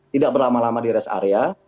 tidak berlama lama di rest area